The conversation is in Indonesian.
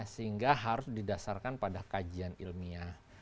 sehingga harus didasarkan pada kajian ilmiah